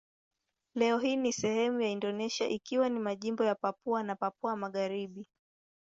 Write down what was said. Leo hii ni sehemu ya Indonesia ikiwa ni majimbo ya Papua na Papua Magharibi.